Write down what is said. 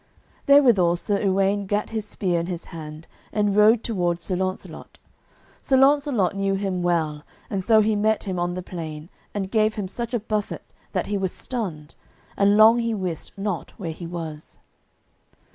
Therewithal Sir Uwaine gat his spear in his hand and rode toward Sir Launcelot. Sir Launcelot knew him well, and so he met him on the plain, and gave him such a buffet that he was stunned, and long he wist not where he was.